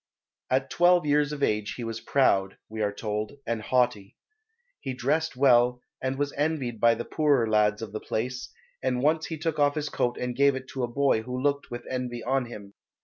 At twelve years of age he was proud, we are told, and haughty. He dressed well, and was envied by the poorer lads of the place, and once he took off his coat and gave it to a boy who looked with envy on him.